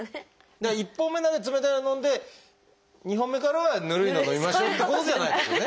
だから１本目だけ冷たいの飲んで２本目からはぬるいのを飲みましょうってことではないですね。